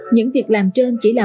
những việc làm trên chỉ là